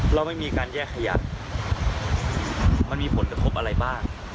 เราไม่มีการแยกขยะมันมีผลกระทบอะไรบ้าง